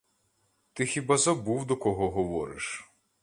Ти хіба забув, до кого говориш!